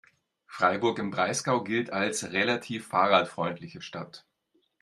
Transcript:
Freiburg im Breisgau gilt als relativ fahrradfreundliche Stadt.